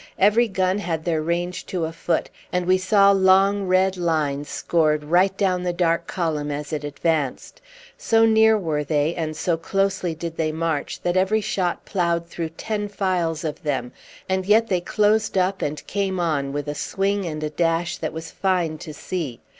Every gun had their range to a foot, and we saw long red lines scored right down the dark column as it advanced. So near were they, and so closely did they march, that every shot ploughed through ten files of them, and yet they closed up and came on with a swing and dash that was fine to see.